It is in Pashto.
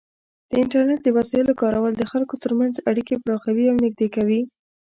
د انټرنیټ د وسایلو کارول د خلکو ترمنځ اړیکې پراخوي او نږدې کوي.